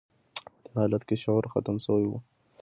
په دې حالت کې شعور ختم شوی و